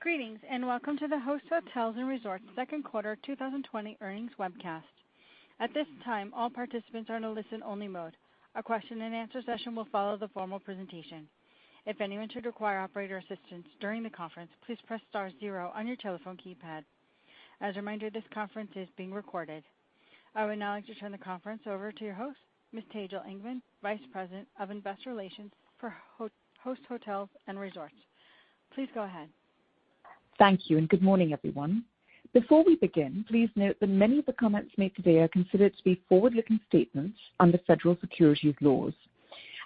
Greetings, welcome to the Host Hotels & Resorts Second Quarter 2020 Earnings webcast. At this time, all participants are in a listen-only mode. A question-and-answer session will follow the formal presentation. If anyone should require operator assistance during the conference, please press star zero on your telephone keypad. As a reminder, this conference is being recorded. I would now like to turn the conference over to your host, Ms. Tejal Engman, Vice President of Investor Relations for Host Hotels & Resorts. Please go ahead. Thank you. Good morning, everyone. Before we begin, please note that many of the comments made today are considered to be forward-looking statements under federal securities laws.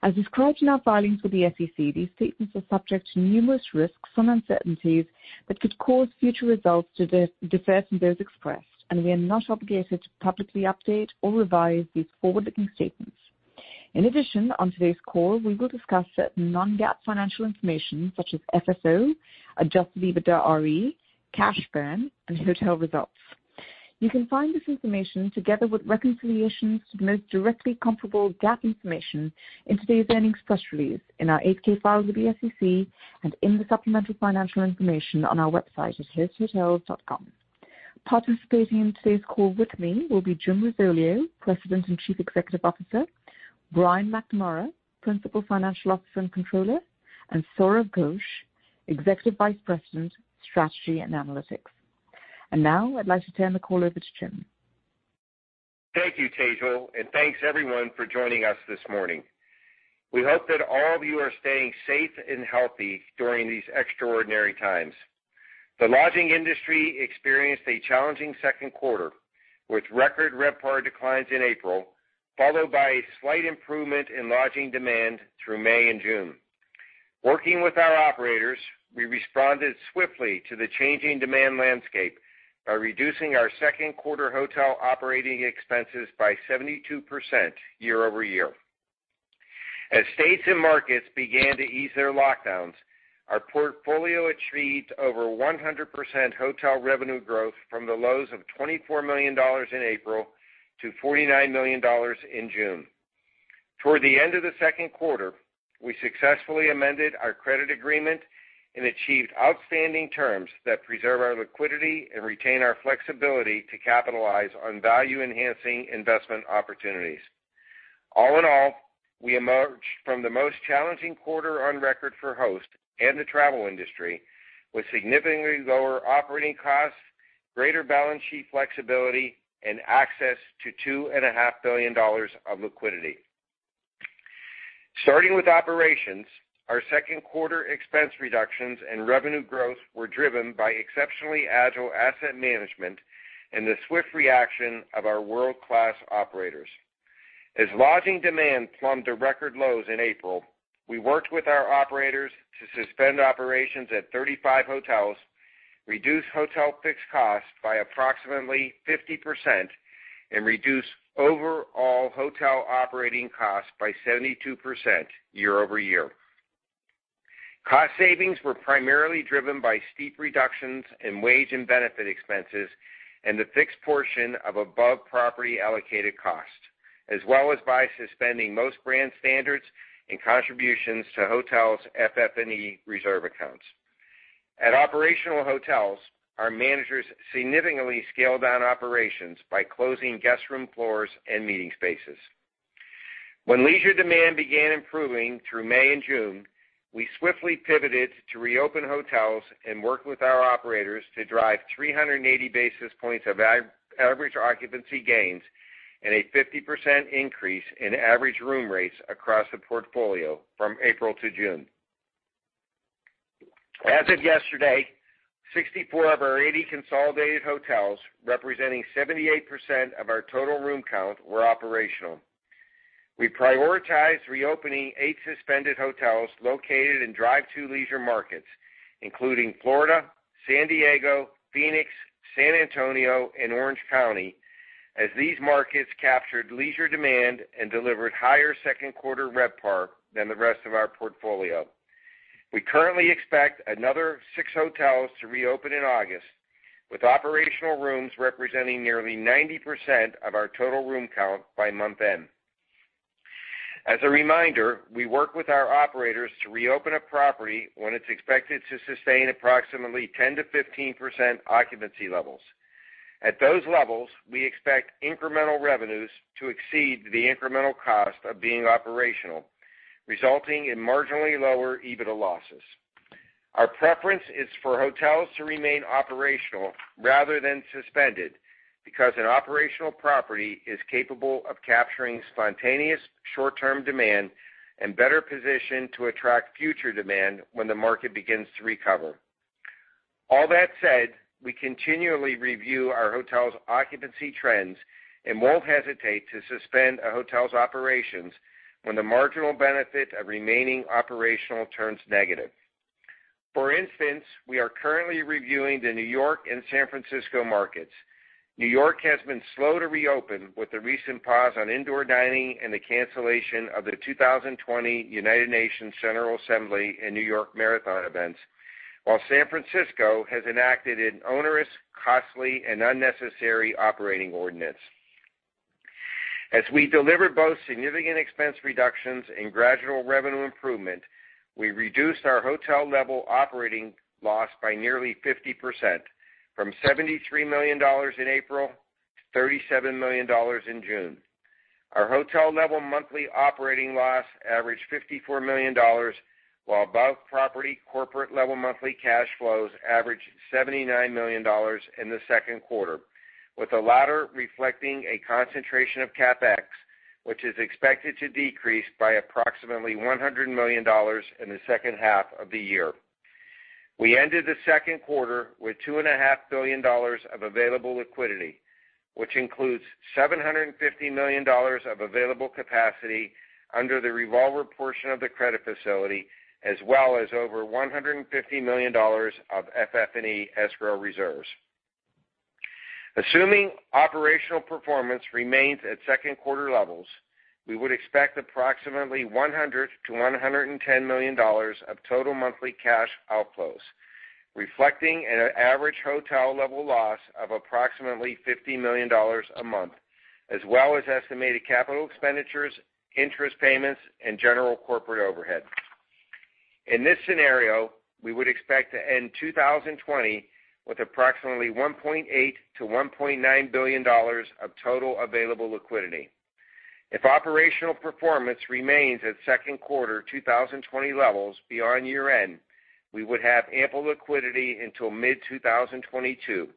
As described in our filings with the SEC, these statements are subject to numerous risks and uncertainties that could cause future results to differ from those expressed, and we are not obligated to publicly update or revise these forward-looking statements. In addition, on today's call, we will discuss certain non-GAAP financial information such as FFO, adjusted EBITDAre, cash burn, and hotel results. You can find this information together with reconciliations to the most directly comparable GAAP information in today's earnings press release, in our 8-K filing with the SEC, and in the supplemental financial information on our website at hosthotels.com. Participating in today's call with me will be Jim Risoleo, President and Chief Executive Officer, Brian Macnamara, Principal Financial Officer and Controller, and Sourav Ghosh, Executive Vice President, Strategy and Analytics. Now I'd like to turn the call over to Jim. Thank you, Tejal. Thanks, everyone, for joining us this morning. We hope that all of you are staying safe and healthy during these extraordinary times. The lodging industry experienced a challenging second quarter, with record RevPAR declines in April, followed by a slight improvement in lodging demand through May and June. Working with our operators, we responded swiftly to the changing demand landscape by reducing our second quarter hotel operating expenses by 72% year-over-year. As states and markets began to ease their lockdowns, our portfolio achieved over 100% hotel revenue growth from the lows of $24 million in April to $49 million in June. Toward the end of the second quarter, we successfully amended our credit agreement and achieved outstanding terms that preserve our liquidity and retain our flexibility to capitalize on value-enhancing investment opportunities. All in all, we emerged from the most challenging quarter on record for Host and the travel industry with significantly lower operating costs, greater balance sheet flexibility, and access to $2.5 billion of liquidity. Starting with operations, our second quarter expense reductions and revenue growth were driven by exceptionally agile asset management and the swift reaction of our world-class operators. As lodging demand plumbed to record lows in April, we worked with our operators to suspend operations at 35 hotels, reduce hotel fixed costs by approximately 50%, and reduce overall hotel operating costs by 72% year-over-year. Cost savings were primarily driven by steep reductions in wage and benefit expenses and the fixed portion of above property allocated costs, as well as by suspending most brand standards and contributions to hotels' FF&E reserve accounts. At operational hotels, our managers significantly scaled down operations by closing guest room floors and meeting spaces. When leisure demand began improving through May and June, we swiftly pivoted to reopen hotels and worked with our operators to drive 380 basis points of average occupancy gains and a 50% increase in average room rates across the portfolio from April to June. As of yesterday, 64 of our 80 consolidated hotels, representing 78% of our total room count, were operational. We prioritized reopening eight suspended hotels located in drive to leisure markets, including Florida, San Diego, Phoenix, San Antonio, and Orange County, as these markets captured leisure demand and delivered higher second quarter RevPAR than the rest of our portfolio. We currently expect another six hotels to reopen in August, with operational rooms representing nearly 90% of our total room count by month-end. As a reminder, we work with our operators to reopen a property when it's expected to sustain approximately 10%-15% occupancy levels. At those levels, we expect incremental revenues to exceed the incremental cost of being operational, resulting in marginally lower EBITDA losses. Our preference is for hotels to remain operational rather than suspended, because an operational property is capable of capturing spontaneous short-term demand and better positioned to attract future demand when the market begins to recover. All that said, we continually review our hotels' occupancy trends and won't hesitate to suspend a hotel's operations when the marginal benefit of remaining operational turns negative. For instance, we are currently reviewing the New York and San Francisco markets. New York has been slow to reopen, with the recent pause on indoor dining and the cancellation of the 2020 United Nations General Assembly and New York Marathon events, while San Francisco has enacted an onerous, costly, and unnecessary operating ordinance. As we deliver both significant expense reductions and gradual revenue improvement, we reduced our hotel level operating loss by nearly 50% from $73 million in April to $37 million in June. Our hotel level monthly operating loss averaged $54 million, while above property corporate level monthly cash flows averaged $79 million in the second quarter, with the latter reflecting a concentration of CapEx, which is expected to decrease by approximately $100 million in the second half of the year. We ended the second quarter with $2.5 billion of available liquidity, which includes $750 million of available capacity under the revolver portion of the credit facility, as well as over $150 million of FF&E escrow reserves. Assuming operational performance remains at second quarter levels, we would expect approximately $100 million-$110 million of total monthly cash outflows, reflecting an average hotel level loss of approximately $50 million a month, as well as estimated CapEx, interest payments, and general corporate overhead. In this scenario, we would expect to end 2020 with approximately $1.8 billion-$1.9 billion of total available liquidity. If operational performance remains at second quarter 2020 levels beyond year-end, we would have ample liquidity until mid-2022,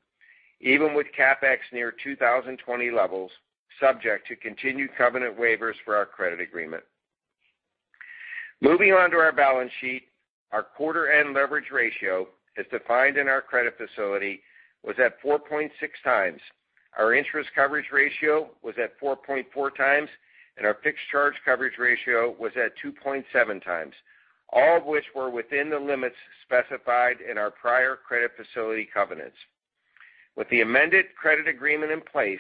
even with CapEx near 2020 levels, subject to continued covenant waivers for our credit agreement. Moving on to our balance sheet, our quarter end leverage ratio, as defined in our credit facility, was at 4.6x. Our interest coverage ratio was at 4.4x, and our fixed charge coverage ratio was at 2.7x, all of which were within the limits specified in our prior credit facility covenants. With the amended credit agreement in place,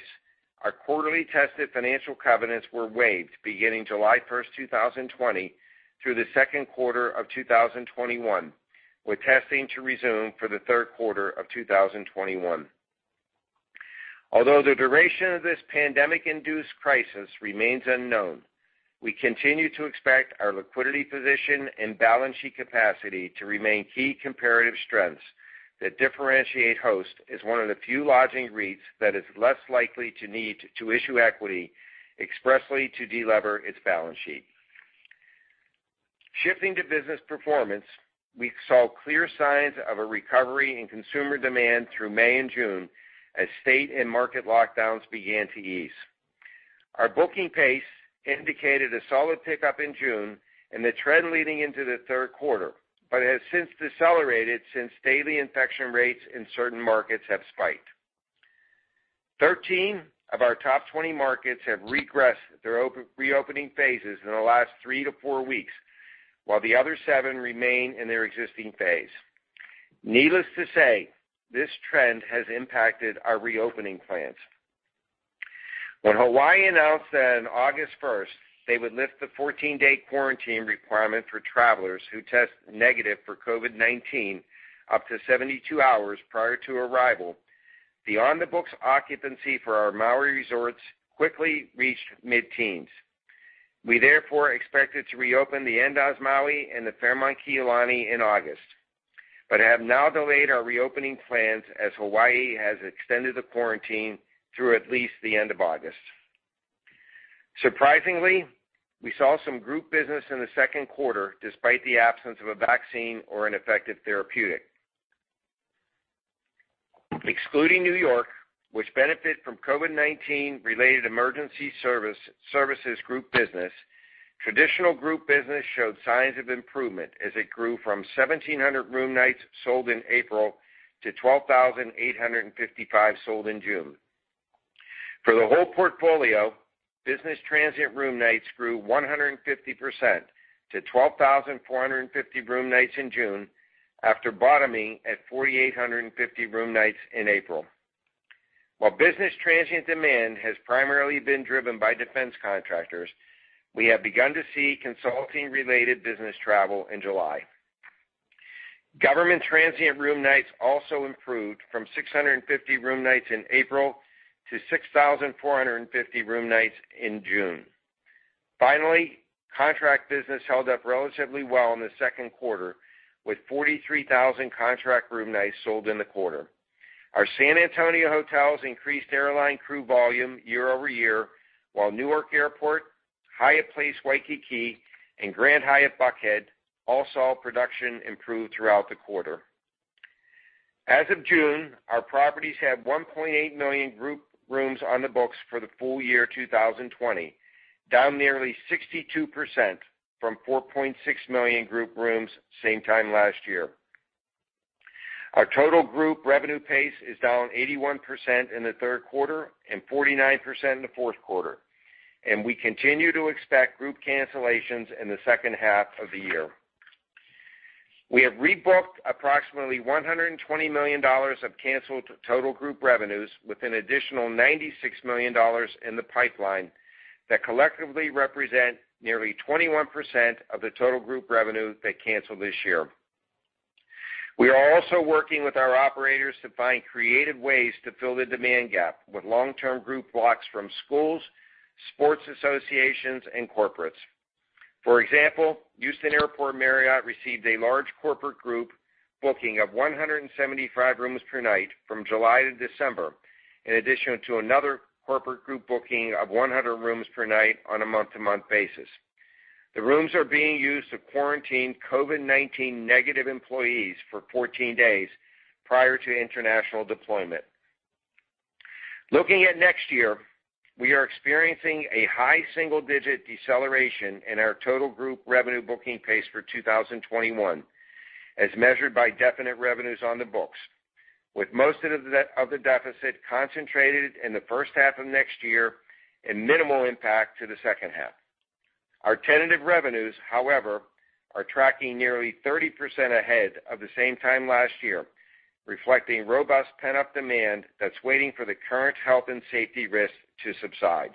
our quarterly tested financial covenants were waived beginning July 1st, 2020 through the second quarter of 2021, with testing to resume for the third quarter of 2021. Although the duration of this pandemic-induced crisis remains unknown, we continue to expect our liquidity position and balance sheet capacity to remain key comparative strengths that differentiate Host as one of the few lodging REITs that is less likely to need to issue equity expressly to delever its balance sheet. Shifting to business performance, we saw clear signs of a recovery in consumer demand through May and June as state and market lockdowns began to ease. Our booking pace indicated a solid pickup in June and the trend leading into the third quarter, but has since decelerated since daily infection rates in certain markets have spiked. 13 of our top 20 markets have regressed their re-reopening phases in the last three to four weeks, while the other seven remain in their existing phase. Needless to say, this trend has impacted our reopening plans. When Hawaii announced that on August 1st they would lift the 14-day quarantine requirement for travelers who test negative for COVID-19 up to 72 hours prior to arrival, the on-the-books occupancy for our Maui resorts quickly reached mid-teens. We therefore expected to reopen the Andaz Maui and the Fairmont Kea Lani in August, but have now delayed our reopening plans as Hawaii has extended the quarantine through at least the end of August. Surprisingly, we saw some group business in the second quarter despite the absence of a vaccine or an effective therapeutic. Excluding New York, which benefited from COVID-19 related emergency service, services group business, traditional group business showed signs of improvement as it grew from 1,700 room nights sold in April to 12,855 sold in June. For the whole portfolio, business transient room nights grew 150% to 12,450 room nights in June after bottoming at 4,850 room nights in April. While business transient demand has primarily been driven by defense contractors, we have begun to see consulting-related business travel in July. Government transient room nights also improved from 650 room nights in April to 6,450 room nights in June. Finally, contract business held up relatively well in the second quarter with 43,000 contract room nights sold in the quarter. Our San Antonio hotels increased airline crew volume year over year, while Newark Airport, Hyatt Place Waikiki, and Grand Hyatt Buckhead all saw production improve throughout the quarter. As of June, our properties had 1.8 million group rooms on the books for the full year 2020, down nearly 62% from 4.6 million group rooms same time last year. Our total group revenue pace is down 81% in the third quarter and 49% in the fourth quarter. We continue to expect group cancellations in the second half of the year. We have rebooked approximately $120 million of canceled total group revenues with an additional $96 million in the pipeline that collectively represent nearly 21% of the total group revenue that canceled this year. We are also working with our operators to find creative ways to fill the demand gap with long-term group blocks from schools, sports associations, and corporates. For example, Houston Airport Marriott received a large corporate group booking of 175 rooms per night from July to December, in addition to another corporate group booking of 100 rooms per night on a month-to-month basis. The rooms are being used to quarantine COVID-19 negative employees for 14 days prior to international deployment. Looking at next year, we are experiencing a high single-digit deceleration in our total group revenue booking pace for 2021, as measured by definite revenues on the books, with most of the deficit concentrated in the first half of next year and minimal impact to the second half. Our tentative revenues, however, are tracking nearly 30% ahead of the same time last year, reflecting robust pent-up demand that's waiting for the current health and safety risk to subside.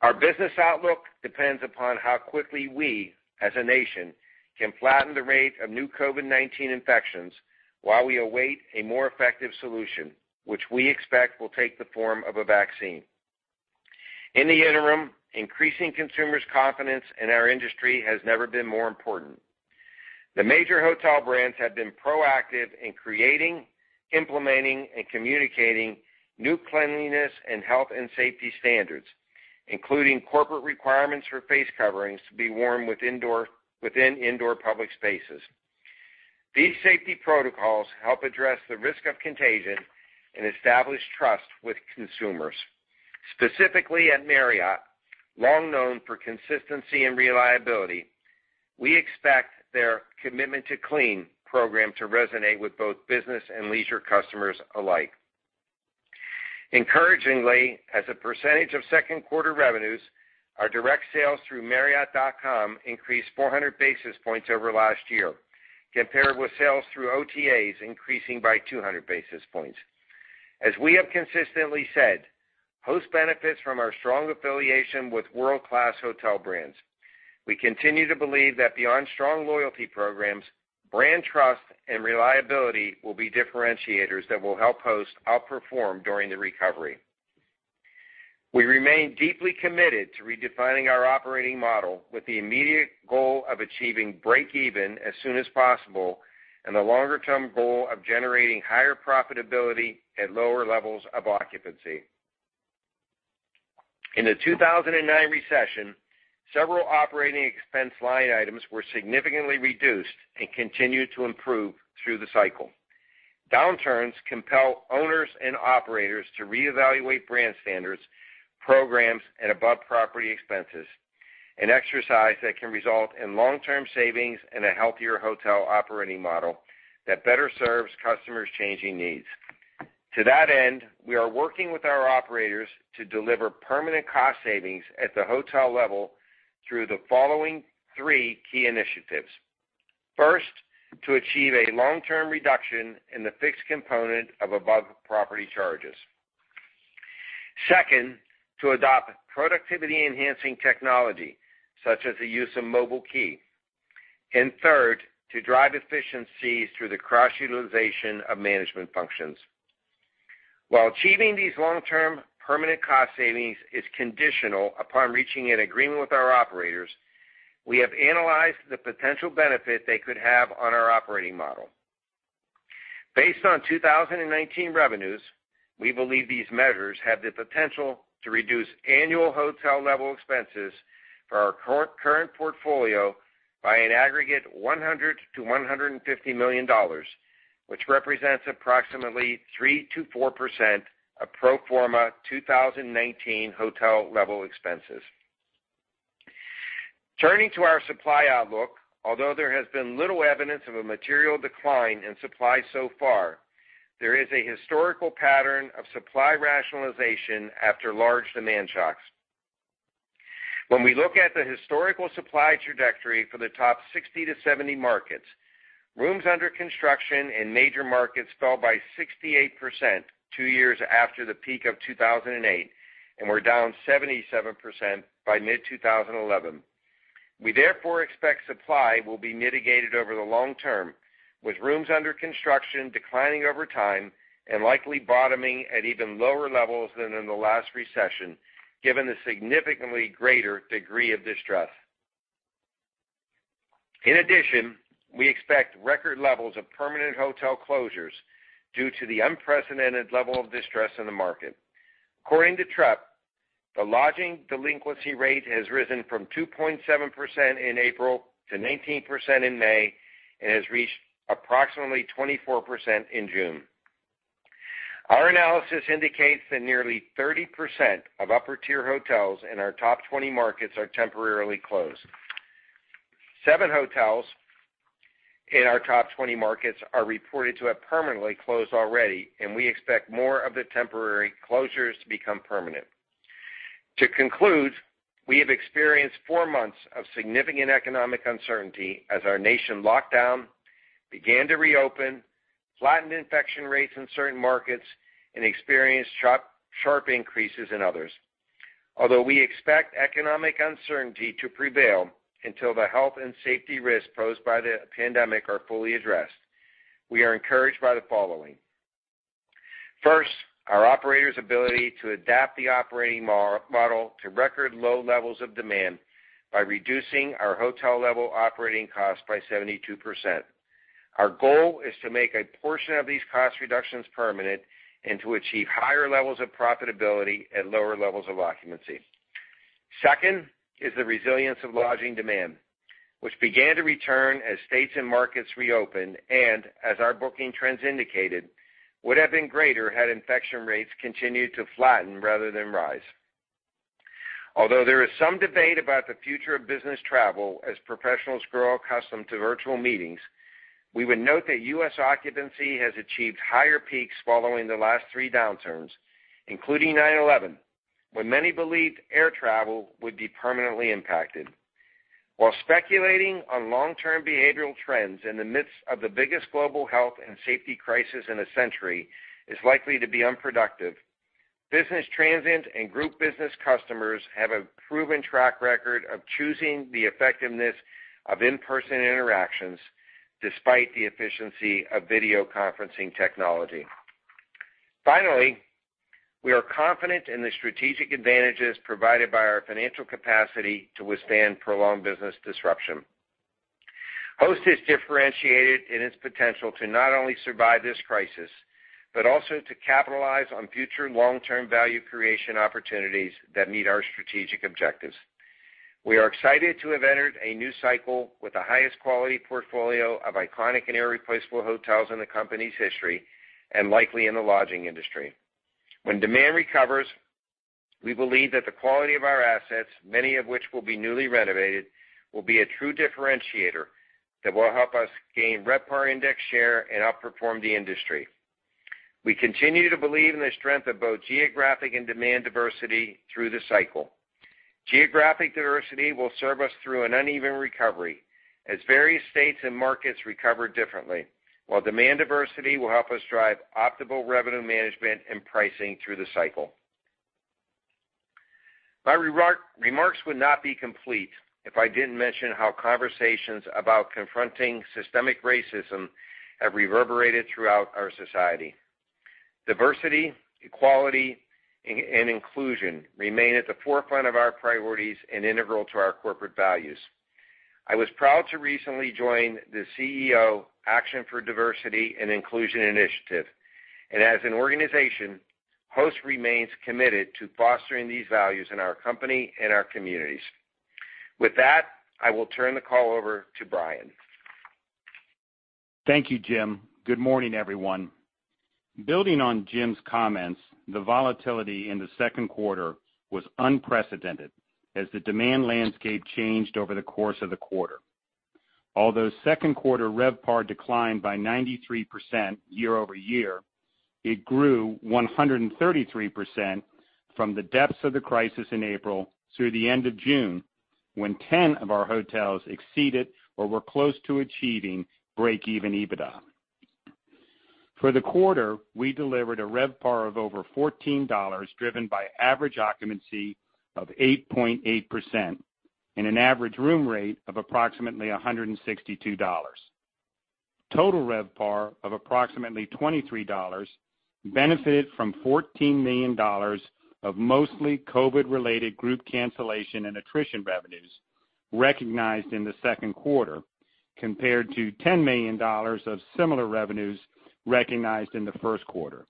Our business outlook depends upon how quickly we, as a nation, can flatten the rate of new COVID-19 infections while we await a more effective solution, which we expect will take the form of a vaccine. In the interim, increasing consumers' confidence in our industry has never been more important. The major hotel brands have been proactive in creating, implementing, and communicating new cleanliness and health and safety standards, including corporate requirements for face coverings to be worn within indoor public spaces. These safety protocols help address the risk of contagion and establish trust with consumers. Specifically at Marriott, long known for consistency and reliability, we expect their Commitment to Clean program to resonate with both business and leisure customers alike. Encouragingly, as a percentage of second quarter revenues, our direct sales through marriott.com increased 400 basis points over last year, compared with sales through OTAs increasing by 200 basis points. As we have consistently said, Host benefits from our strong affiliation with world-class hotel brands. We continue to believe that beyond strong loyalty programs, brand trust and reliability will be differentiators that will help Host outperform during the recovery. We remain deeply committed to redefining our operating model with the immediate goal of achieving breakeven as soon as possible and the longer-term goal of generating higher profitability at lower levels of occupancy. In the 2009 recession, several operating expense line items were significantly reduced and continued to improve through the cycle. Downturns compel owners and operators to reevaluate brand standards, programs, and above-property expenses, an exercise that can result in long-term savings and a healthier hotel operating model that better serves customers' changing needs. To that end, we are working with our operators to deliver permanent cost savings at the hotel level through the following three key initiatives. First, to achieve a long-term reduction in the fixed component of above-property charges. Second, to adopt productivity-enhancing technology, such as the use of mobile key. Third, to drive efficiencies through the cross-utilization of management functions. While achieving these long-term permanent cost savings is conditional upon reaching an agreement with our operators, we have analyzed the potential benefit they could have on our operating model. Based on 2019 revenues, we believe these measures have the potential to reduce annual hotel-level expenses for our current portfolio by an aggregate $100 million-$150 million, which represents approximately 3%-4% of pro forma 2019 hotel-level expenses. Turning to our supply outlook, although there has been little evidence of a material decline in supply so far, there is a historical pattern of supply rationalization after large demand shocks. When we look at the historical supply trajectory for the top 60-70 markets, rooms under construction in major markets fell by 68% two years after the peak of 2008, and were down 77% by mid-2011. We therefore expect supply will be mitigated over the long term, with rooms under construction declining over time and likely bottoming at even lower levels than in the last recession, given the significantly greater degree of distress. In addition, we expect record levels of permanent hotel closures due to the unprecedented level of distress in the market. According to Trepp, the lodging delinquency rate has risen from 2.7% in April to 19% in May and has reached approximately 24% in June. Our analysis indicates that nearly 30% of upper-tier hotels in our top 20 markets are temporarily closed. Seven hotels in our top 20 markets are reported to have permanently closed already, and we expect more of the temporary closures to become permanent. To conclude, we have experienced four months of significant economic uncertainty as our nation locked down, began to reopen, flattened infection rates in certain markets, and experienced sharp increases in others. We expect economic uncertainty to prevail until the health and safety risks posed by the pandemic are fully addressed, we are encouraged by the following. First, our operators' ability to adapt the operating model to record low levels of demand by reducing our hotel level operating costs by 72%. Our goal is to make a portion of these cost reductions permanent and to achieve higher levels of profitability at lower levels of occupancy. Second is the resilience of lodging demand, which began to return as states and markets reopened, and as our booking trends indicated, would have been greater had infection rates continued to flatten rather than rise. Although there is some debate about the future of business travel as professionals grow accustomed to virtual meetings, we would note that U.S. occupancy has achieved higher peaks following the last three downturns, including 9/11, when many believed air travel would be permanently impacted. While speculating on long-term behavioral trends in the midst of the biggest global health and safety crisis in a century is likely to be unproductive, business transient and group business customers have a proven track record of choosing the effectiveness of in-person interactions despite the efficiency of video conferencing technology. Finally, we are confident in the strategic advantages provided by our financial capacity to withstand prolonged business disruption. Host is differentiated in its potential to not only survive this crisis, but also to capitalize on future and long-term value creation opportunities that meet our strategic objectives. We are excited to have entered a new cycle with the highest quality portfolio of iconic and irreplaceable hotels in the company's history and likely in the lodging industry. When demand recovers, we believe that the quality of our assets, many of which will be newly renovated, will be a true differentiator that will help us gain RevPAR index share and outperform the industry. We continue to believe in the strength of both geographic and demand diversity through the cycle. Geographic diversity will serve us through an uneven recovery as various states and markets recover differently, while demand diversity will help us drive optimal revenue management and pricing through the cycle. My remarks would not be complete if I didn't mention how conversations about confronting systemic racism have reverberated throughout our society. Diversity, equality, and inclusion remain at the forefront of our priorities and integral to our corporate values. I was proud to recently join the CEO Action for Diversity & Inclusion initiative. As an organization, Host remains committed to fostering these values in our company and our communities. With that, I will turn the call over to Brian. Thank you, Jim. Good morning, everyone. Building on Jim's comments, the volatility in the second quarter was unprecedented as the demand landscape changed over the course of the quarter. Second quarter RevPAR declined by 93% year-over-year, it grew 133% from the depths of the crisis in April through the end of June, when 10 of our hotels exceeded or were close to achieving break-even EBITDA. For the quarter, we delivered a RevPAR of over $14, driven by average occupancy of 8.8% and an average room rate of approximately $162. Total RevPAR of approximately $23 benefited from $14 million of mostly COVID-19-related group cancellation and attrition revenues recognized in the second quarter, compared to $10 million of similar revenues recognized in the first quarter.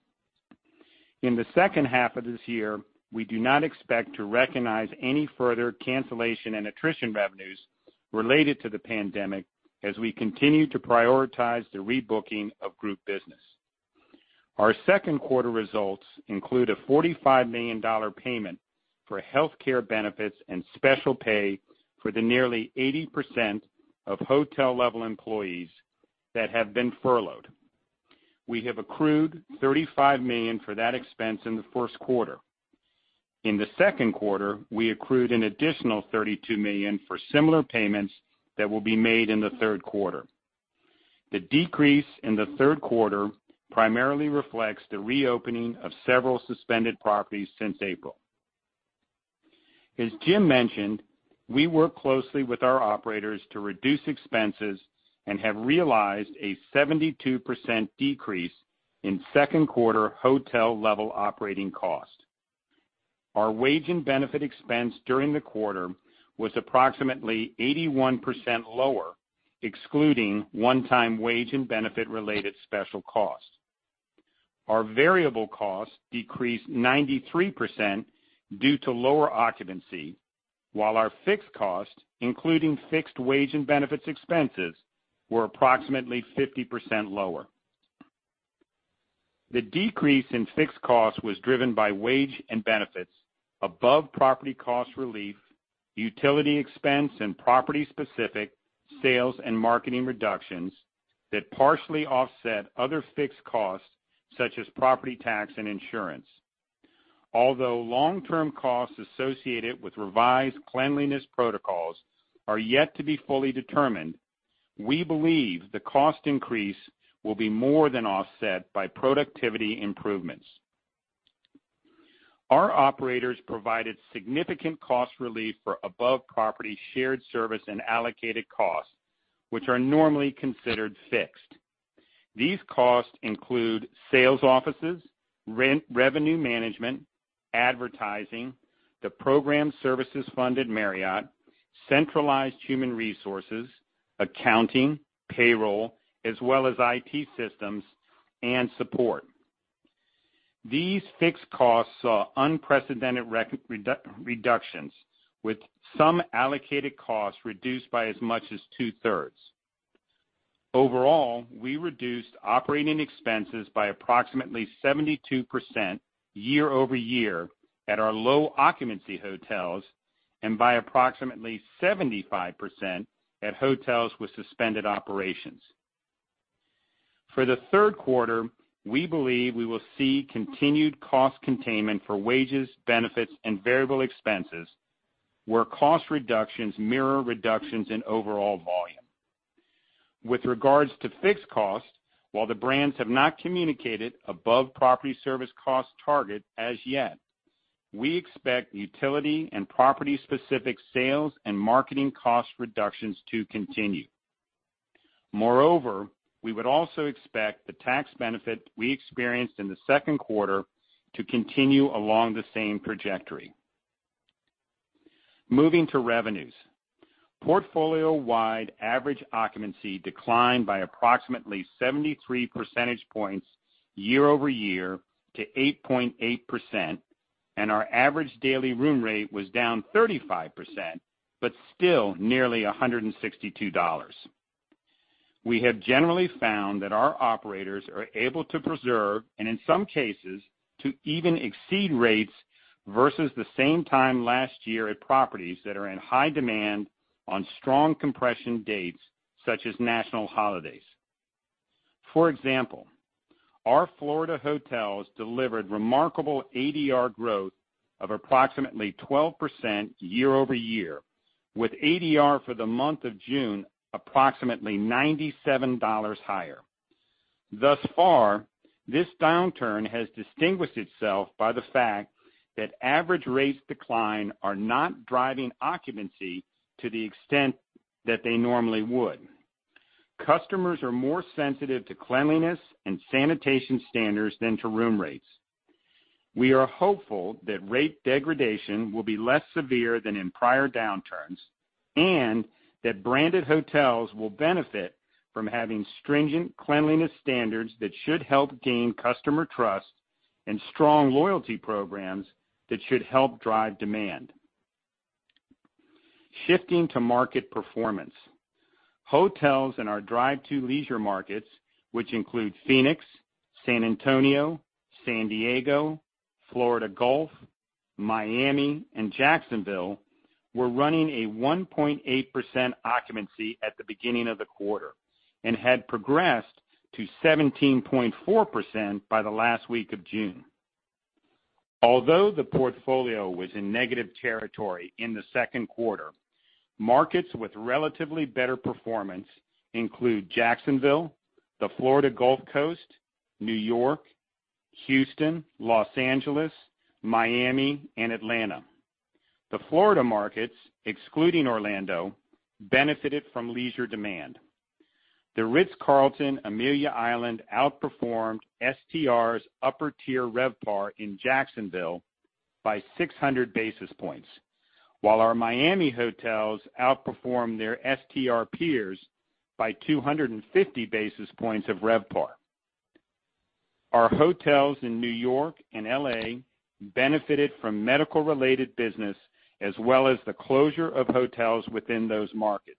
In the second half of this year, we do not expect to recognize any further cancellation and attrition revenues related to the pandemic as we continue to prioritize the rebooking of group business. Our second quarter results include a $45 million payment for healthcare benefits and special pay for the nearly 80% of hotel-level employees that have been furloughed. We have accrued $35 million for that expense in the first quarter. In the second quarter, we accrued an additional $32 million for similar payments that will be made in the third quarter. The decrease in the third quarter primarily reflects the reopening of several suspended properties since April. As Jim mentioned, we work closely with our operators to reduce expenses and have realized a 72% decrease in second quarter hotel-level operating cost. Our wage and benefit expense during the quarter was approximately 81% lower, excluding one-time wage and benefit-related special costs. Our variable costs decreased 93% due to lower occupancy, while our fixed costs, including fixed wage and benefits expenses, were approximately 50% lower. The decrease in fixed costs was driven by wage and benefits above property cost relief, utility expense, and property-specific sales and marketing reductions that partially offset other fixed costs such as property tax and insurance. Although long-term costs associated with revised cleanliness protocols are yet to be fully determined. We believe the cost increase will be more than offset by productivity improvements. Our operators provided significant cost relief for above property shared service and allocated costs, which are normally considered fixed. These costs include sales offices, revenue management, advertising, the program services funded Marriott, centralized human resources, accounting, payroll, as well as IT systems and support. These fixed costs saw unprecedented reductions with some allocated costs reduced by as much as 2/3. Overall, we reduced operating expenses by approximately 72% year-over-year at our low occupancy hotels and by approximately 75% at hotels with suspended operations. For the third quarter, we believe we will see continued cost containment for wages, benefits and variable expenses, where cost reductions mirror reductions in overall volume. With regards to fixed costs, while the brands have not communicated above property service cost target as yet, we expect utility and property specific sales and marketing cost reductions to continue. We would also expect the tax benefit we experienced in the second quarter to continue along the same trajectory. Moving to revenues. Portfolio-wide average occupancy declined by approximately 73 percentage points year-over-year to 8.8%, and our average daily room rate was down 35%, but still nearly $162. We have generally found that our operators are able to preserve, and in some cases, to even exceed rates versus the same time last year at properties that are in high demand on strong compression dates such as national holidays. For example, our Florida hotels delivered remarkable ADR growth of approximately 12% year-over-year, with ADR for the month of June approximately $97 higher. This downturn has distinguished itself by the fact that average rates decline are not driving occupancy to the extent that they normally would. Customers are more sensitive to cleanliness and sanitation standards than to room rates. We are hopeful that rate degradation will be less severe than in prior downturns, and that branded hotels will benefit from having stringent cleanliness standards that should help gain customer trust and strong loyalty programs that should help drive demand. Shifting to market performance. Hotels in our drive to leisure markets, which include Phoenix, San Antonio, San Diego, Florida Gulf, Miami and Jacksonville, were running a 1.8% occupancy at the beginning of the quarter and had progressed to 17.4% by the last week of June. Although the portfolio was in negative territory in the second quarter, markets with relatively better performance include Jacksonville, the Florida Gulf Coast, New York, Houston, Los Angeles, Miami and Atlanta. The Florida markets, excluding Orlando, benefited from leisure demand. The Ritz-Carlton, Amelia Island outperformed STR's upper tier RevPAR in Jacksonville by 600 basis points, while our Miami hotels outperformed their STR peers by 250 basis points of RevPAR. Our hotels in New York and L.A. benefited from medical-related business as well as the closure of hotels within those markets.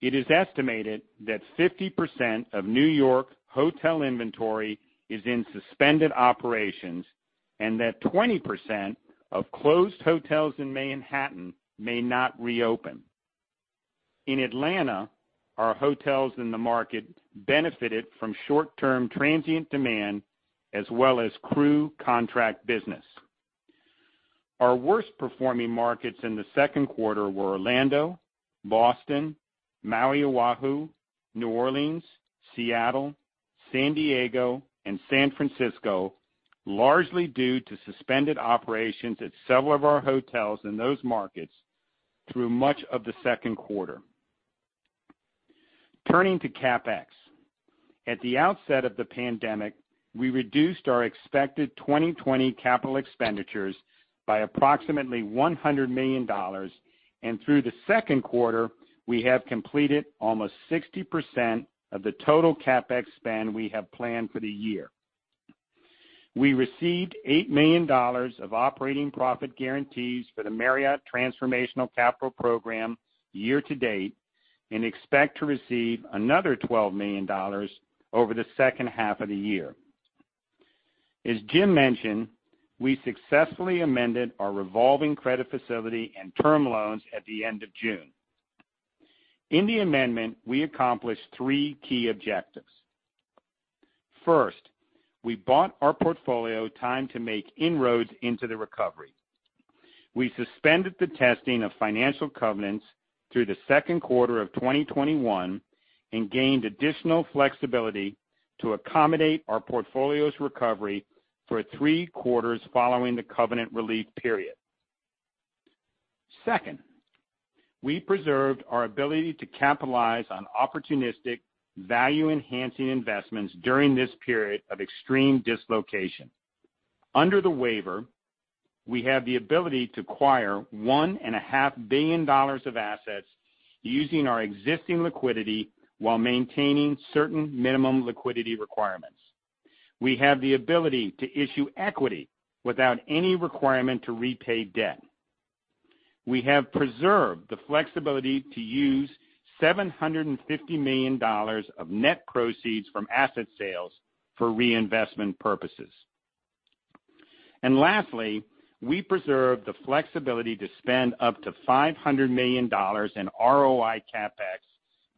It is estimated that 50% of New York hotel inventory is in suspended operations, and that 20% of closed hotels in Manhattan may not reopen. In Atlanta, our hotels in the market benefited from short-term transient demand as well as crew contract business. Our worst performing markets in the second quarter were Orlando, Boston, Maui Oahu, New Orleans, Seattle, San Diego, and San Francisco, largely due to suspended operations at several of our hotels in those markets through much of the second quarter. Turning to CapEx. At the outset of the pandemic, we reduced our expected 2020 capital expenditures by approximately $100 million, and through the second quarter, we have completed almost 60% of the total CapEx spend we have planned for the year. We received $8 million of operating profit guarantees for the Marriott Transformational Capital Program year to date, and expect to receive another $12 million over the second half of the year. As Jim mentioned, we successfully amended our revolving credit facility and term loans at the end of June. In the amendment, we accomplished three key objectives. First, we bought our portfolio time to make inroads into the recovery. We suspended the testing of financial covenants through the second quarter of 2021 and gained additional flexibility to accommodate our portfolio's recovery for three quarters following the covenant relief period. Second, we preserved our ability to capitalize on opportunistic value-enhancing investments during this period of extreme dislocation. Under the waiver, we have the ability to acquire $1.5 billion of assets using our existing liquidity while maintaining certain minimum liquidity requirements. We have the ability to issue equity without any requirement to repay debt. We have preserved the flexibility to use $750 million of net proceeds from asset sales for reinvestment purposes. Lastly, we preserve the flexibility to spend up to $500 million in ROI CapEx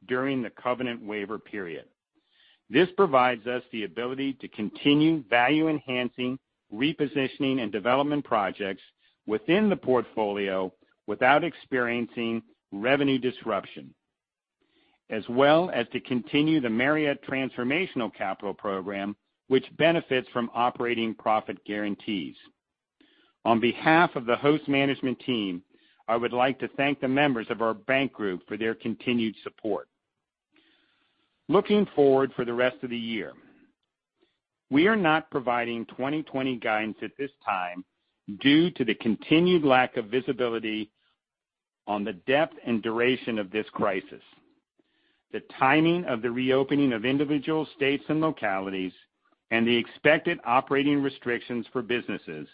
during the covenant waiver period. This provides us the ability to continue value-enhancing repositioning and development projects within the portfolio without experiencing revenue disruption, as well as to continue the Marriott Transformational Capital Program, which benefits from operating profit guarantees. On behalf of the Host management team, I would like to thank the members of our bank group for their continued support. Looking forward for the rest of the year, we are not providing 2020 guidance at this time due to the continued lack of visibility on the depth and duration of this crisis, the timing of the reopening of individual states and localities, and the expected operating restrictions for businesses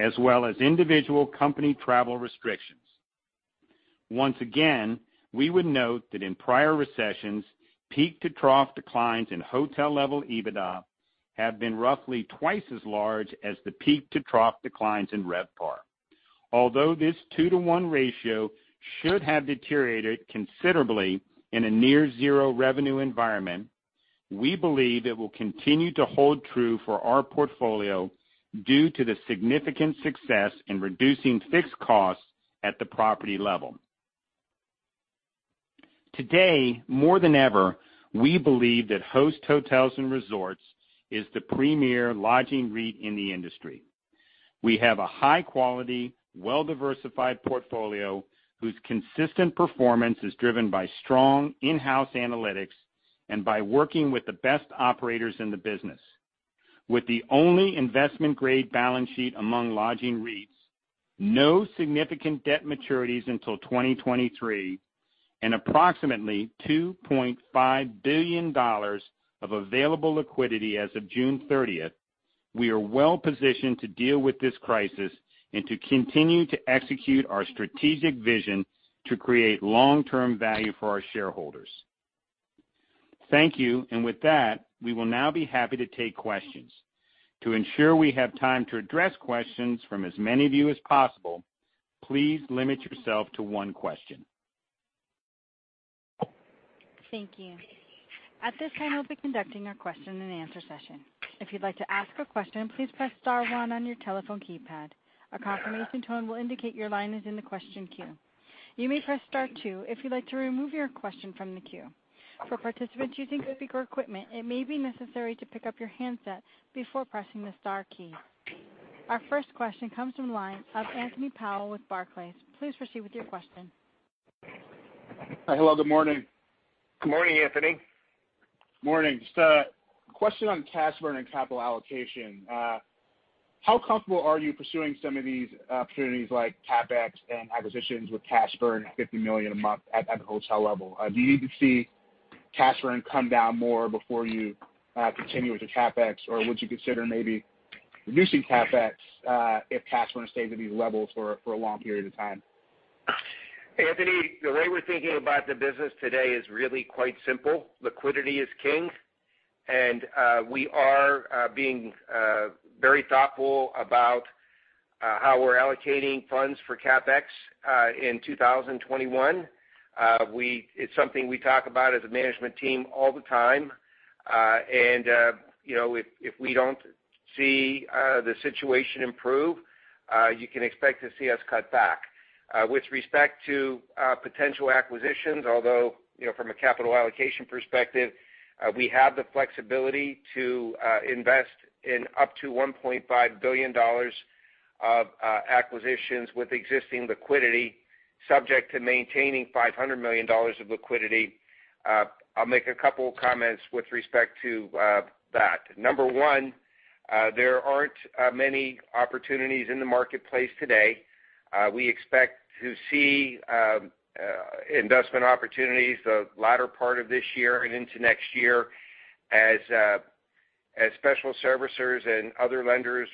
as well as individual company travel restrictions. Once again, we would note that in prior recessions, peak-to-trough declines in hotel level EBITDA have been roughly twice as large as the peak-to-trough declines in RevPAR. Although this 2:1 ratio should have deteriorated considerably in a near zero revenue environment, we believe it will continue to hold true for our portfolio due to the significant success in reducing fixed costs at the property level. Today, more than ever, we believe that Host Hotels & Resorts is the premier lodging REIT in the industry. We have a high quality, well-diversified portfolio whose consistent performance is driven by strong in-house analytics and by working with the best operators in the business. With the only investment grade balance sheet among lodging REITs, no significant debt maturities until 2023, and approximately $2.5 billion of available liquidity as of June 30th, we are well positioned to deal with this crisis and to continue to execute our strategic vision to create long-term value for our shareholders. Thank you. With that, we will now be happy to take questions. To ensure we have time to address questions from as many of you as possible, please limit yourself to one question. Thank you. At this time, we'll be conducting our question and answer session. If you'd like to ask a question, please press star one on your telephone keypad. A confirmation tone will indicate your line is in the question queue. You may press star two if you'd like to remove your question from the queue. For participants using speaker equipment, it may be necessary to pick up your handset before pressing the star key. Our first question comes from the line of Anthony Powell with Barclays. Please proceed with your question. Hi. Hello, good morning. Good morning, Anthony. Morning. Just a question on cash burn and capital allocation. How comfortable are you pursuing some of these opportunities like CapEx and acquisitions with cash burn at $50 million a month at the hotel level? Do you need to see cash burn come down more before you continue with the CapEx? Would you consider maybe reducing CapEx if cash burn stays at these levels for a long period of time? Anthony, the way we're thinking about the business today is really quite simple. Liquidity is king, we are being very thoughtful about how we're allocating funds for CapEx in 2021. It's something we talk about as a management team all the time. You know, if we don't see the situation improve, you can expect to see us cut back. With respect to potential acquisitions, although, you know, from a capital allocation perspective, we have the flexibility to invest in up to $1.5 billion of acquisitions with existing liquidity, subject to maintaining $500 million of liquidity. I'll make a couple of comments with respect to that. Number one, there aren't many opportunities in the marketplace today. We expect to see investment opportunities the latter part of this year and into next year as special servicers and other lenders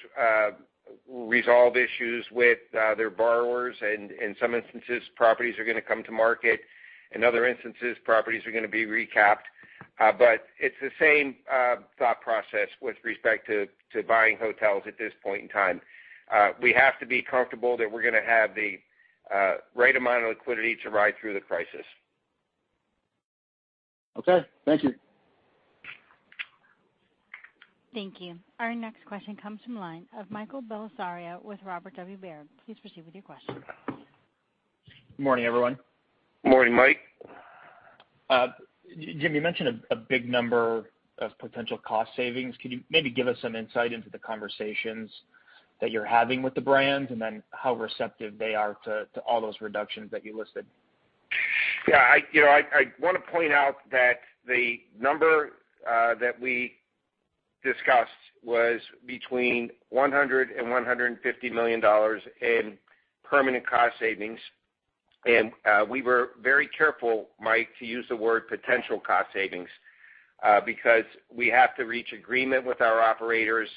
resolve issues with their borrowers. In some instances, properties are gonna come to market, in other instances, properties are gonna be recapped. It's the same thought process with respect to buying hotels at this point in time. We have to be comfortable that we're gonna have the right amount of liquidity to ride through the crisis. Okay. Thank you. Thank you. Our next question comes from the line of Michael Bellisario with Robert W. Baird. Please proceed with your question. Morning, everyone. Morning, Mike. Jim, you mentioned a big number of potential cost savings. Could you maybe give us some insight into the conversations that you're having with the brands, and then how receptive they are to all those reductions that you listed? Yeah, I, you know, I wanna point out that the number that we discussed was between $100 million and $150 million in permanent cost savings. We were very careful, Mike, to use the word potential cost savings because we have to reach agreement with our operators,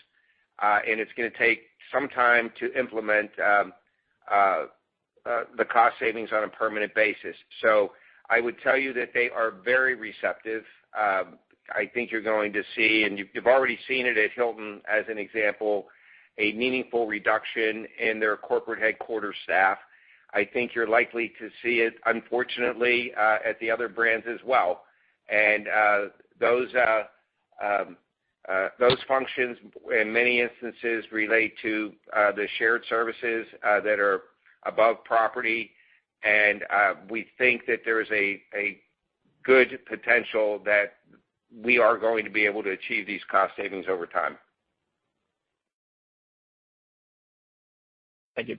and it's gonna take some time to implement the cost savings on a permanent basis. I would tell you that they are very receptive. I think you're going to see, and you've already seen it at Hilton, as an example, a meaningful reduction in their corporate headquarter staff. I think you're likely to see it, unfortunately, at the other brands as well. Those functions, in many instances, relate to the shared services that are above property. We think that there is a good potential that we are going to be able to achieve these cost savings over time. Thank you.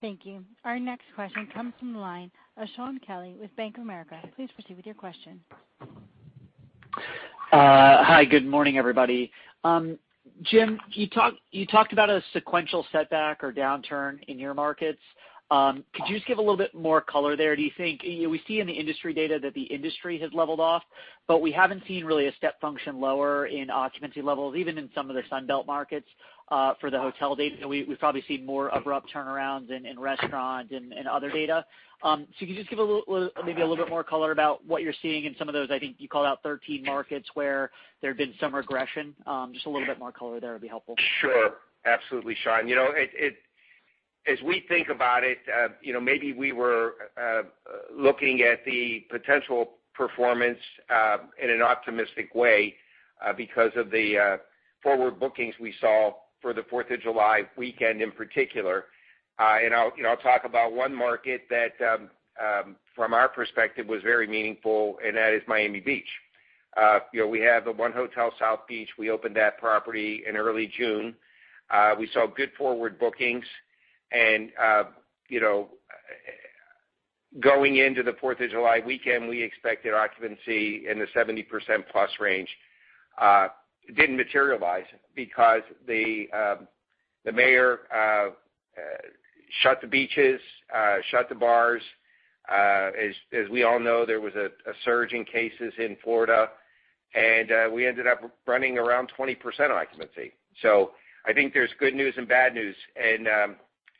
Thank you. Our next question comes from the line of Shaun Kelley with Bank of America. Please proceed with your question. Hi, good morning, everybody. Jim, you talked about a sequential setback or downturn in your markets. Could you just give a little bit more color there? We see in the industry data that the industry has leveled off, but we haven't seen really a step function lower in occupancy levels, even in some of the Sun Belt markets, for the hotel data. We've probably seen more abrupt turnarounds in restaurant and other data. Can you just give maybe a little bit more color about what you're seeing in some of those, I think you called out 13 markets where there have been some regression. Just a little bit more color there would be helpful. Sure. Absolutely, Shaun. You know, as we think about it, you know, maybe we were looking at the potential performance in an optimistic way because of the forward bookings we saw for the Fourth of July weekend in particular. I'll, you know, I'll talk about one market that from our perspective was very meaningful, and that is Miami Beach. You know, we have the 1 Hotel South Beach. We opened that property in early June. We saw good forward bookings. You know, going into the Fourth of July weekend, we expected occupancy in the 70% plus range. It didn't materialize because the mayor shut the beaches, shut the bars. As we all know, there was a surge in cases in Florida, and we ended up running around 20% occupancy. I think there's good news and bad news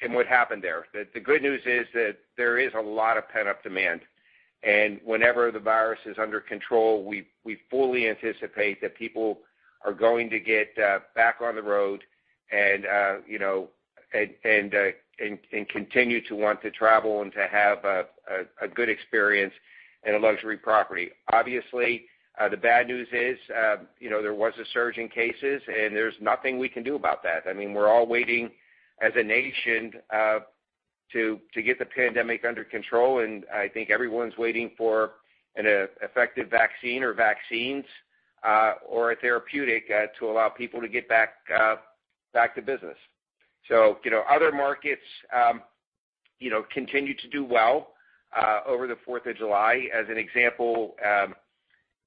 in what happened there. The good news is that there is a lot of pent-up demand, and whenever the virus is under control, we fully anticipate that people are going to get back on the road and you know, and continue to want to travel and to have a good experience in a luxury property. Obviously, the bad news is, you know, there was a surge in cases, and there's nothing we can do about that. I mean, we're all waiting as a nation, to get the pandemic under control, and I think everyone's waiting for an effective vaccine or vaccines, or a therapeutic, to allow people to get back to business. you know, other markets, you know, continue to do well, over the Fourth of July. As an example,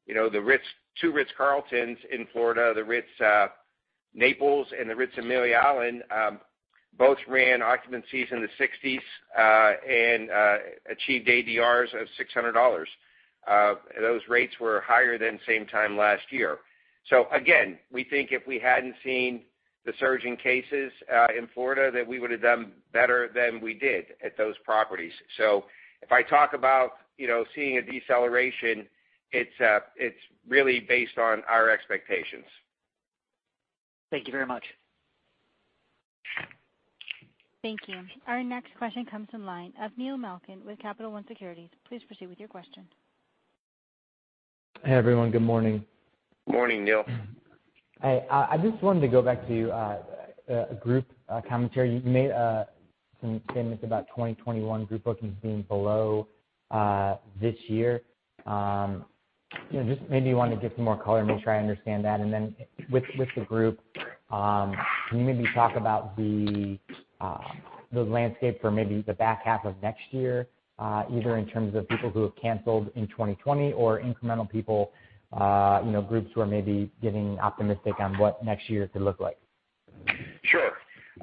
you know, the Ritz, two Ritz Carltons in Florida, The Ritz Naples and The Ritz Amelia Island, both ran occupancies in the 60s, and achieved ADRs of $600. Those rates were higher than same time last year. again, we think if we hadn't seen the surge in cases, in Florida, that we would have done better than we did at those properties. If I talk about, you know, seeing a deceleration, it's really based on our expectations. Thank you very much. Thank you. Our next question comes from line of Neil Malkin with Capital One Securities. Please proceed with your question. Hey, everyone. Good morning. Morning, Neil. Hi. I just wanted to go back to group commentary. You made some statements about 2021 group bookings being below this year. You know, just maybe you wanna give some more color, make sure I understand that. With the group, can you maybe talk about the landscape for maybe the back half of next year, either in terms of people who have canceled in 2020 or incremental people, you know, groups who are maybe getting optimistic on what next year could look like? Sure.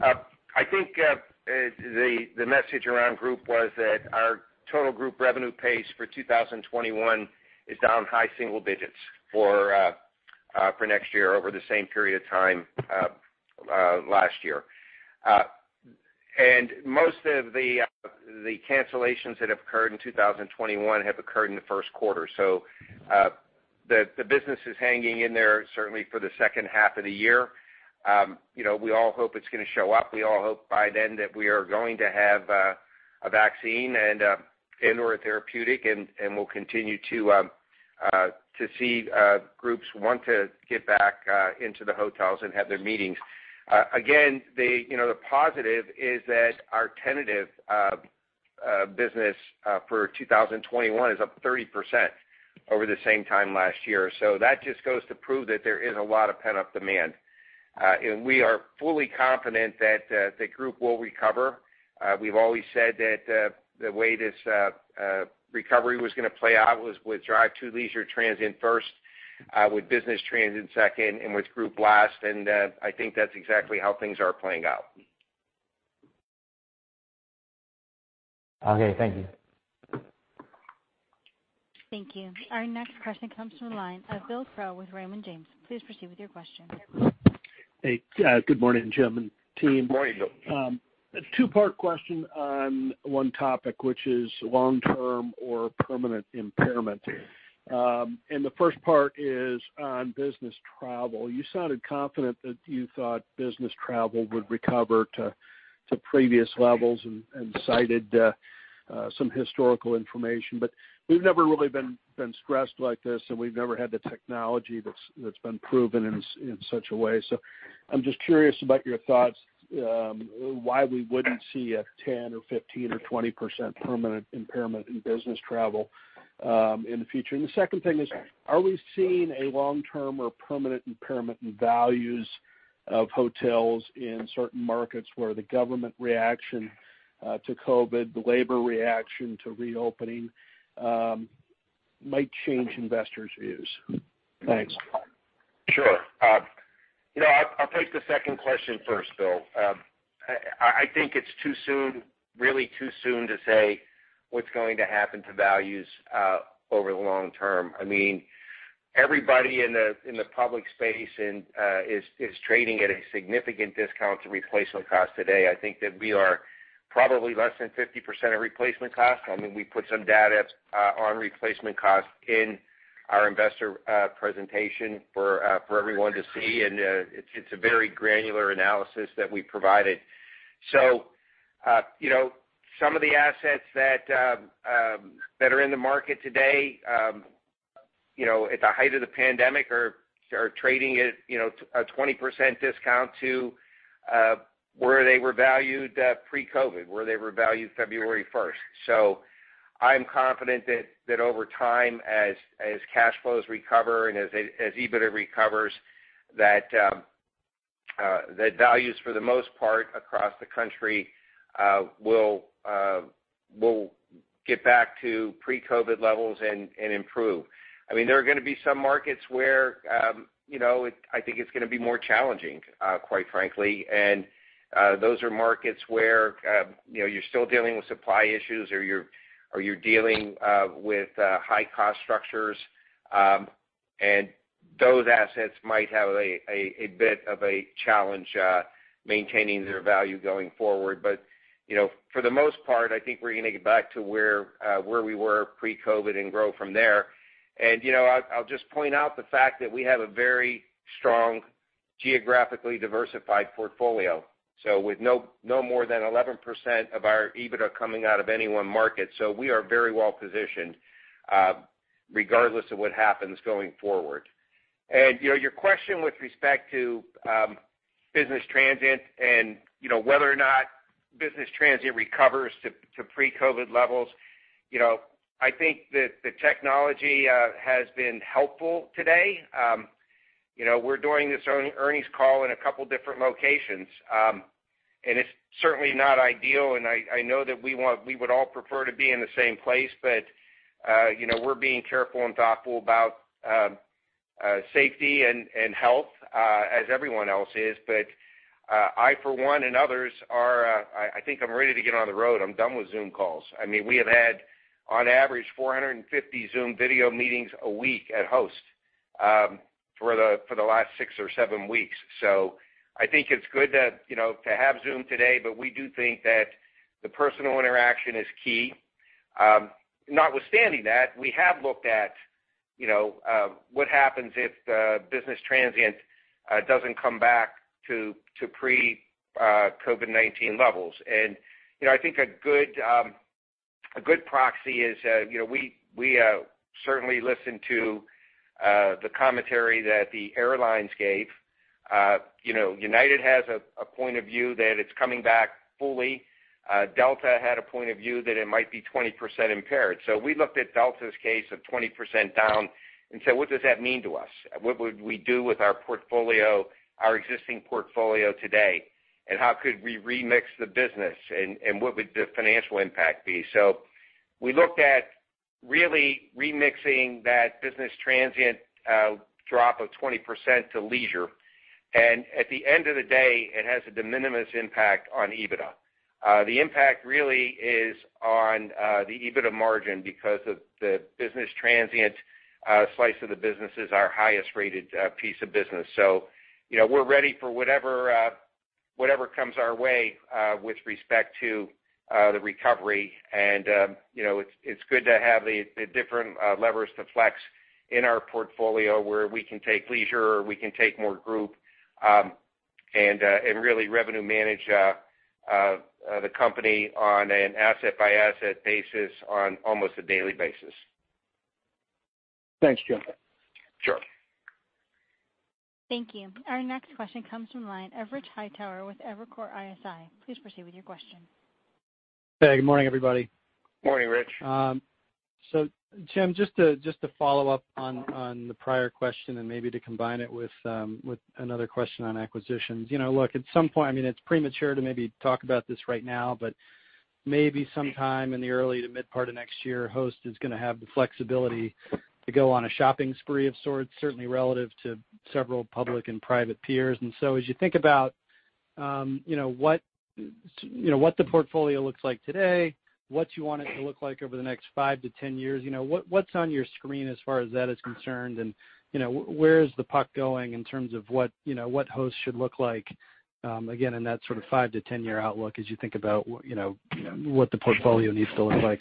I think the message around group was that our total group revenue pace for 2021 is down high single digits for next year over the same period of time last year. Most of the cancellations that have occurred in 2021 have occurred in the first quarter. The business is hanging in there certainly for the second half of the year. You know, we all hope it's gonna show up. We all hope by then that we are going to have a vaccine and or a therapeutic, and we'll continue to see groups want to get back into the hotels and have their meetings. Again, the, you know, the positive is that our tentative business for 2021 is up 30% over the same time last year. That just goes to prove that there is a lot of pent-up demand. We are fully confident that the group will recover. We've always said that the way this recovery was gonna play out was with drive to leisure transient first, with business transient second, and with group last. I think that's exactly how things are playing out. Okay. Thank you. Thank you. Our next question comes from the line of Bill Crow with Raymond James. Please proceed with your question. Hey, good morning Jim and team. Morning, Bill. A two-part question on one topic, which is long-term or permanent impairment. The first part is on business travel. You sounded confident that you thought business travel would recover to previous levels and cited some historical information. We've never really been stressed like this, and we've never had the technology that's been proven in such a way. I'm just curious about your thoughts, why we wouldn't see a 10% or 15% or 20% permanent impairment in business travel in the future? The second thing is, are we seeing a long-term or permanent impairment in values of hotels in certain markets where the government reaction to COVID, the labor reaction to reopening, might change investors' views? Thanks. Sure. you know, I'll take the second question first, Bill. I think it's too soon, really too soon to say what's going to happen to values, over the long term. I mean, everybody in the, in the public space and, is trading at a significant discount to replacement cost today. I think that we are probably less than 50% of replacement cost. I mean, we put some data, on replacement cost in our investor, presentation for everyone to see. It's a very granular analysis that we provided. You know, some of the assets that are in the market today, you know, at the height of the pandemic are trading at, you know, a 20% discount to where they were valued pre-COVID, where they were valued February 1st. I'm confident that over time, as cash flows recover and as EBITDA recovers, that values for the most part across the country will get back to pre-COVID levels and improve. I mean, there are gonna be some markets where, you know, I think it's gonna be more challenging, quite frankly. Those are markets where, you know, you're still dealing with supply issues or you're dealing with high cost structures. And those assets might have a bit of a challenge maintaining their value going forward. You know, for the most part, I think we're gonna get back to where we were pre-COVID and grow from there. You know, I'll just point out the fact that we have a very strong geographically diversified portfolio. With no more than 11% of our EBITDA coming out of any one market, we are very well positioned regardless of what happens going forward. You know, your question with respect to business transient and, you know, whether or not business transient recovers to pre-COVID levels. You know, I think that the technology has been helpful today. You know, we're doing this earnings call in a couple different locations. It's certainly not ideal, and I know that we would all prefer to be in the same place. You know, we're being careful and thoughtful about safety and health as everyone else is. I, for one, and others are, I think I'm ready to get on the road. I'm done with Zoom calls. I mean, we have had on average 450 Zoom video meetings a week at Host for the last six or seven weeks. I think it's good to, you know, to have Zoom today, but we do think that the personal interaction is key. Notwithstanding that, we have looked at, you know, what happens if the business transient doesn't come back to pre-COVID-19 levels. You know, I think a good, a good proxy is, you know, we, certainly listen to the commentary that the airlines gave. You know, United has a point of view that it's coming back fully. Delta had a point of view that it might be 20% impaired. We looked at Delta's case of 20% down and said, "What does that mean to us? What would we do with our portfolio, our existing portfolio today, and how could we remix the business, and what would the financial impact be?" We looked at really remixing that business transient, drop of 20% to leisure. At the end of the day, it has a de minimis impact on EBITDA. The impact really is on the EBITDA margin because of the business transient slice of the business is our highest rated piece of business. You know, we're ready for whatever comes our way with respect to the recovery. You know, it's good to have the different levers to flex in our portfolio where we can take leisure or we can take more group and really revenue manage the company on an asset-by-asset basis on almost a daily basis. Thanks, Jim. Sure. Thank you. Our next question comes from the line of Rich Hightower with Evercore ISI. Please proceed with your question. Hey, good morning, everybody. Morning, Rich. Jim, just to, just to follow up on the prior question and maybe to combine it with another question on acquisitions. You know, look, at some point, I mean, it's premature to maybe talk about this right now, but maybe sometime in the early to mid part of next year, Host is gonna have the flexibility to go on a shopping spree of sorts, certainly relative to several public and private peers. As you think about, you know, what, you know, what the portfolio looks like today, what you want it to look like over the next five to 10 years, you know, what's on your screen as far as that is concerned? You know, where is the puck going in terms of what, you know, what Host should look like, again, in that sort of five to 10-year outlook as you think about, you know, what the portfolio needs to look like?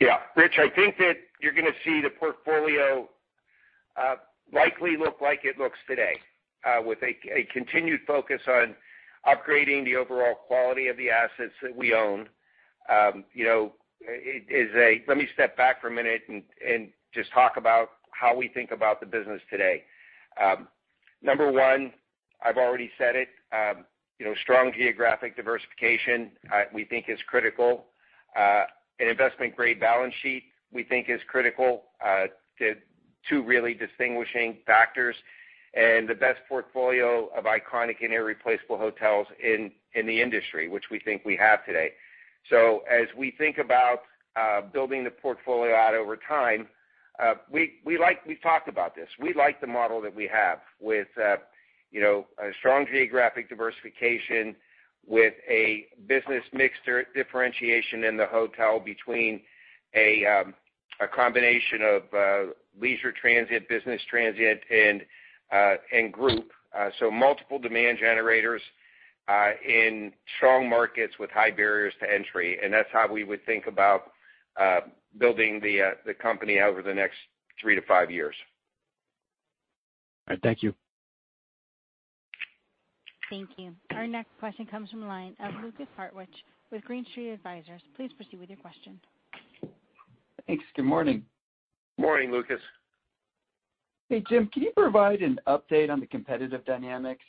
Yeah. Rich, I think that you're gonna see the portfolio, likely look like it looks today, with a continued focus on upgrading the overall quality of the assets that we own. You know, let me step back for a minute and just talk about how we think about the business today. Number one, I've already said it, you know, strong geographic diversification, we think is critical. An investment-grade balance sheet, we think is critical, to two really distinguishing factors, and the best portfolio of iconic and irreplaceable hotels in the industry, which we think we have today. As we think about building the portfolio out over time, We've talked about this. We like the model that we have with, you know, a strong geographic diversification with a business mixture differentiation in the hotel between a combination of leisure transient, business transient, and group. Multiple demand generators in strong markets with high barriers to entry. That's how we would think about building the company out over the next three to five years. All right. Thank you. Thank you. Our next question comes from the line of Lukas Hartwich with Green Street Advisors. Please proceed with your question. Thanks. Good morning. Morning, Lukas. Hey, Jim, can you provide an update on the competitive dynamics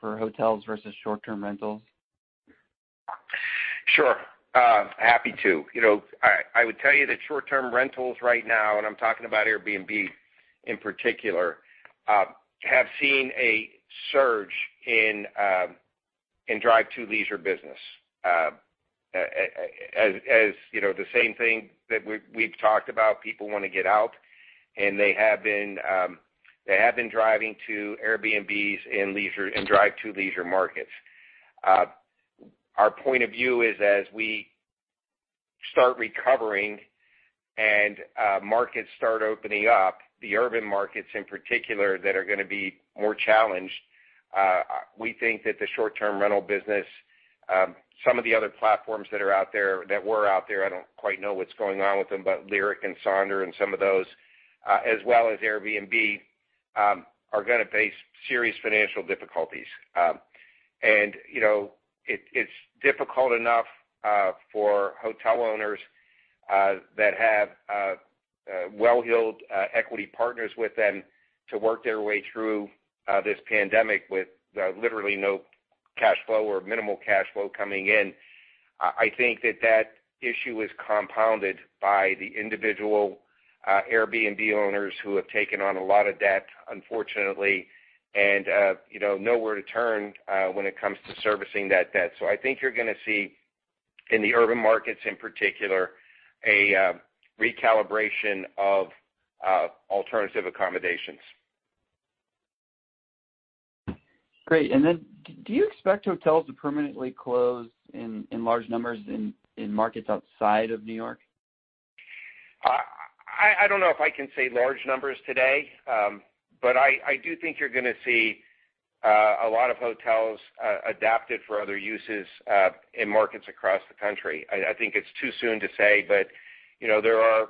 for hotels versus short-term rentals? Sure. Happy to. You know, I would tell you that short-term rentals right now, and I'm talking about Airbnb in particular, have seen a surge in drive to leisure business. As you know, the same thing that we've talked about, people wanna get out, and they have been driving to Airbnbs in drive to leisure markets. Our point of view is as we start recovering and markets start opening up, the urban markets in particular that are gonna be more challenged, we think that the short-term rental business, some of the other platforms that are out there, that were out there, I don't quite know what's going on with them, but Lyric and Sonder and some of those, as well as Airbnb, are gonna face serious financial difficulties. You know, it's difficult enough for hotel owners that have well-heeled equity partners with them to work their way through this pandemic with literally no cash flow or minimal cash flow coming in. I think that that issue is compounded by the individual Airbnb owners who have taken on a lot of debt, unfortunately, and, you know, nowhere to turn when it comes to servicing that debt. I think you're gonna see, in the urban markets in particular, a recalibration of alternative accommodations. Great. Then do you expect hotels to permanently close in large numbers in markets outside of New York? I don't know if I can say large numbers today, but I do think you're gonna see a lot of hotels adapted for other uses in markets across the country. I think it's too soon to say, but, you know, there are,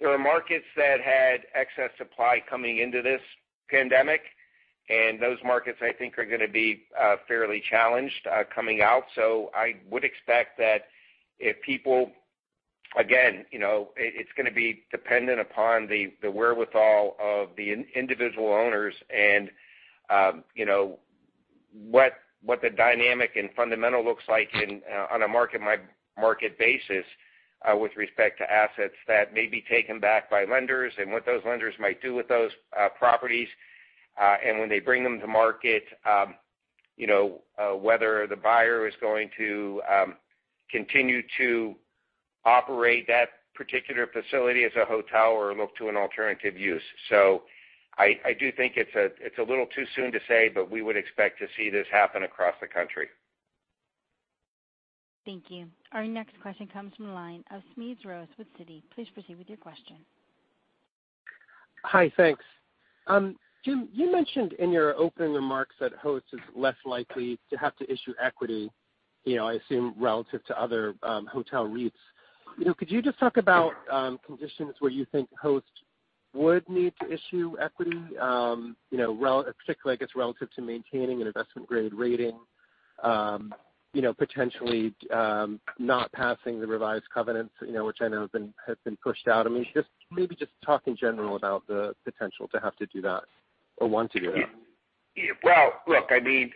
there are markets that had excess supply coming into this pandemic, and those markets, I think, are gonna be fairly challenged coming out. I would expect that if people, again, you know, it's gonna be dependent upon the wherewithal of the individual owners and, you know, what the dynamic and fundamental looks like in, on a market by market basis, with respect to assets that may be taken back by lenders and what those lenders might do with those properties. When they bring them to market, you know, whether the buyer is going to continue to operate that particular facility as a hotel or look to an alternative use. I do think it's a little too soon to say, but we would expect to see this happen across the country. Thank you. Our next question comes from the line of Smedes Rose with Citi. Please proceed with your question. Hi. Thanks. Jim, you mentioned in your opening remarks that Host is less likely to have to issue equity, you know, I assume, relative to other, hotel REITs. You know, could you just talk about conditions where you think Host would need to issue equity, you know, particularly, I guess, relative to maintaining an investment-grade rating, you know, potentially, not passing the revised covenants, you know, which I know have been pushed out. I mean, just maybe just talk in general about the potential to have to do that or want to do that? Yeah. Well, look, I mean,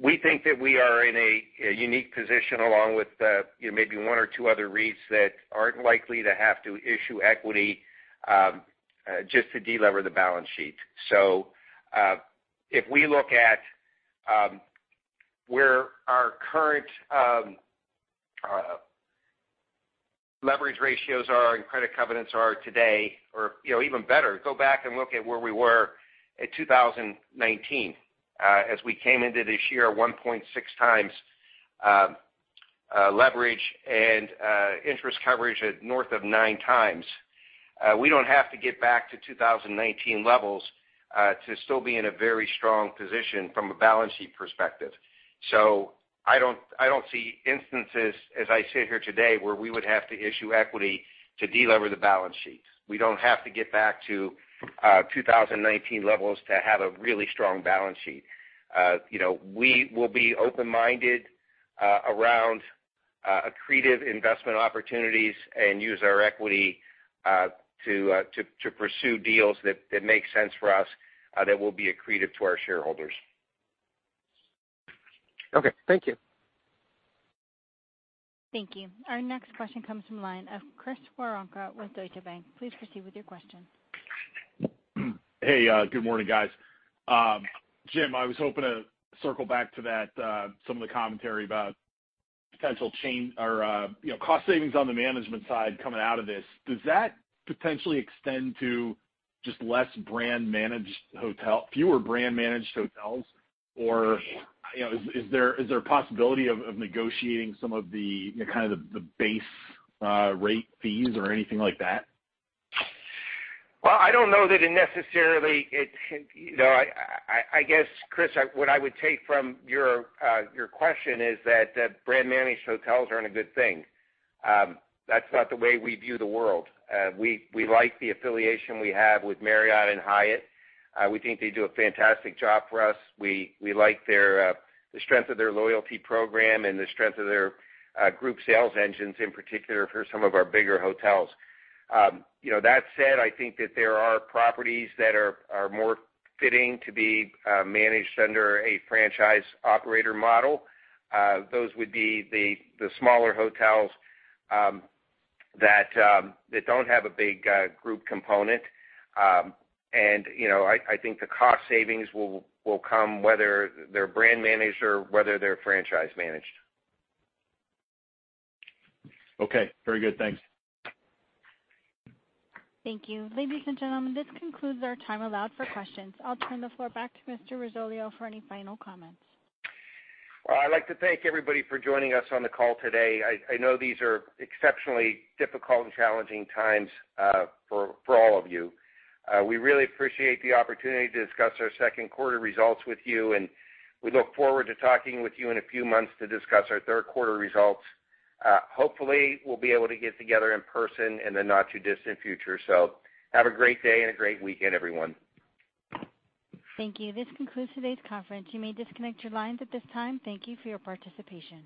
we think that we are in a unique position along with, you know, maybe one or two other REITs that aren't likely to have to issue equity just to de-lever the balance sheet. If we look at where our current leverage ratios are and credit covenants are today, or, you know, even better, go back and look at where we were in 2019, as we came into this year 1.6x leverage and interest coverage at north of 9x. We don't have to get back to 2019 levels to still be in a very strong position from a balance sheet perspective. I don't see instances, as I sit here today, where we would have to issue equity to de-lever the balance sheet. We don't have to get back to 2019 levels to have a really strong balance sheet. You know, we will be open-minded around accretive investment opportunities and use our equity to pursue deals that make sense for us that will be accretive to our shareholders. Okay. Thank you. Thank you. Our next question comes from line of Chris Woronka with Deutsche Bank. Please proceed with your question. Hey, good morning, guys. Jim, I was hoping to circle back to that, some of the commentary about potential change or, you know, cost savings on the management side coming out of this. Does that potentially extend to just less brand managed hotels? You know, is there a possibility of negotiating some of the, kind of the base, rate fees or anything like that? Well, I don't know that it necessarily. You know, I guess, Chris, what I would take from your question is that brand managed hotels aren't a good thing. That's not the way we view the world. We like the affiliation we have with Marriott and Hyatt. We think they do a fantastic job for us. We like their the strength of their loyalty program and the strength of their group sales engines, in particular for some of our bigger hotels. You know, that said, I think that there are properties that are more fitting to be managed under a franchise operator model. Those would be the smaller hotels that don't have a big group component. You know, I think the cost savings will come whether they're brand managed or whether they're franchise managed. Okay. Very good. Thanks. Thank you. Ladies and gentlemen, this concludes our time allowed for questions. I'll turn the floor back to Mr. Risoleo for any final comments. Well, I'd like to thank everybody for joining us on the call today. I know these are exceptionally difficult and challenging times for all of you. We really appreciate the opportunity to discuss our second quarter results with you, and we look forward to talking with you in a few months to discuss our third quarter results. Hopefully we'll be able to get together in person in the not too distant future. Have a great day and a great weekend, everyone. Thank you. This concludes today's conference. You may disconnect your lines at this time. Thank you for your participation.